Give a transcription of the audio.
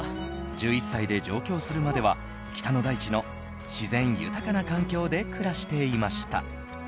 １１歳で上京するまでは北の大地の自然豊かな環境で暮らしていました。